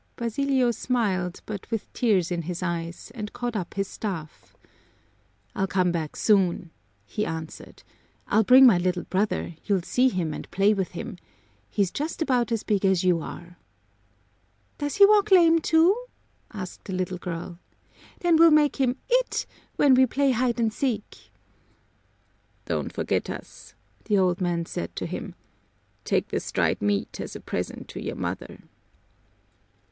Basilio smiled, but with tears in his eyes, and caught up his staff. "I'll come back soon," he answered. "I'll bring my little brother, you'll see him and play with him. He's just about as big as you are." "Does he walk lame, too?" asked the little girl. "Then we'll make him 'it' when we play hide and seek." "Don't forget us," the old man said to him. "Take this dried meat as a present to your mother."